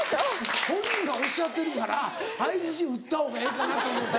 本人がおっしゃってるから相づち打った方がええかなと思うて。